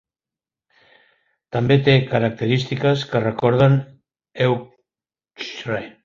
També té característiques que recorden Euchre.